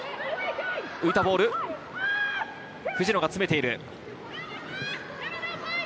浮いたボール、藤野が詰めている。